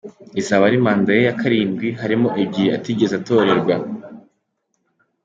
Izaba ari manda ye ya karindwi, harimo ebyiri atigeze atorerwa.